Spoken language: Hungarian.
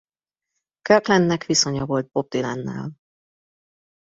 Kirklandnek viszonya volt Bob Dylannel.